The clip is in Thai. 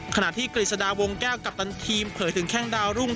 ขณะที่กฤษฎาวงแก้วกัปตันทีมเผยถึงแข้งดาวรุ่ง